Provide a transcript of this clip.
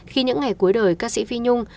khi những ngày cuối đời ca sĩ phi nhung